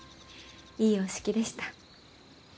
いいお式でした。